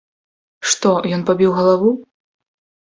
Што ён пабіў галаву?